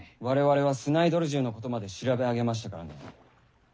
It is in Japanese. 我々はスナイドル銃のことまで調べ上げましたからね。